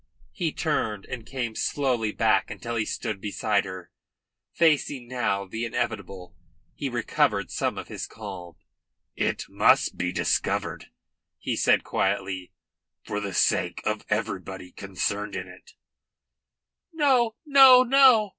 He turned and came slowly back until he stood beside her. Facing now the inevitable, he recovered some of his calm. "It must be discovered," he said quietly. "For the sake of everybody concerned it must " "Oh, no, no!"